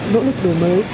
nỗ lực đổi mới